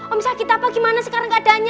om sakit apa gimana sekarang keadaannya